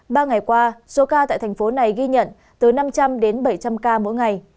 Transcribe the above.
ba ngày qua số ca tại tp hcm ghi nhận từ năm trăm linh đến bảy trăm linh ca mỗi ngày